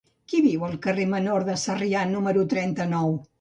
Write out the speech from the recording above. Qui viu al carrer Menor de Sarrià número trenta-nou?